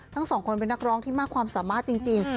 ทั้งสองคนเป็นนักร้องที่มากความสามารถจริง